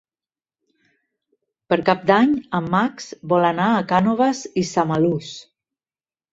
Per Cap d'Any en Max vol anar a Cànoves i Samalús.